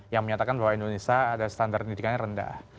yang menyatakan bahwa indonesia ada standar pendidikannya rendah